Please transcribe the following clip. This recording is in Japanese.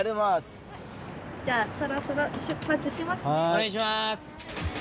お願いします。